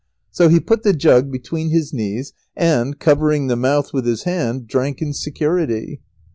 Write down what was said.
So he put the jug between his knees and, covering the mouth with his hand, drank in security.